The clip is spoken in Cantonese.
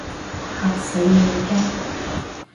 嚇死美軍